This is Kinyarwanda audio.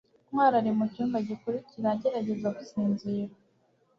ntwali ari mucyumba gikurikira agerageza gusinzira